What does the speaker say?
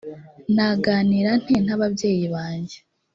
naganira nte n ababyeyi banjye